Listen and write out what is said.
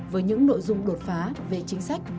với những nội dung đột phá về chính sách